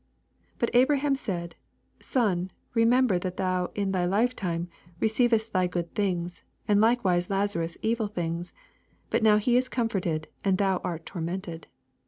25 But Abraham said, Son, remem ber that thou in thy lifetime recei^ edst thy good things, and likewiM Lazarus evil things: but now he is comforted, and thou art tormented.